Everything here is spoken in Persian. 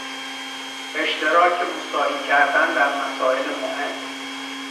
اشتراک مساعی کردن در مسائل مهم